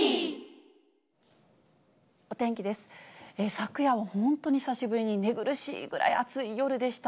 昨夜は本当に久しぶりに寝苦しいぐらい暑い夜でした。